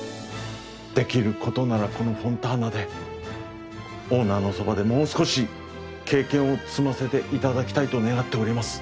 できることならこのフォンターナでオーナーのそばでもう少し経験を積ませていただきたいと願っております。